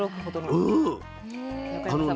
うん。